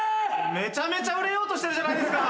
めちゃめちゃ売れようとしてるじゃないですか！